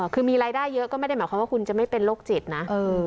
คือมีรายได้เยอะก็ไม่ได้หมายความว่าคุณจะไม่เป็นโรคจิตนะ